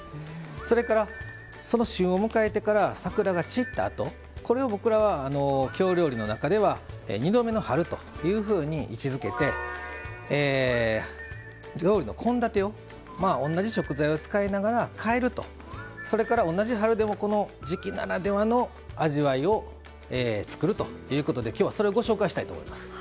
それから旬を迎えてから桜が散ったあとこれを僕らは京料理の中では２度目の春というふうに位置づけて料理の献立を同じ食材を使いながら変えるという、それから同じ春でも時季ならではの味わいを作るということで今日はご紹介したいと思います。